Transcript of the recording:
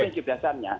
itu prinsip dasarnya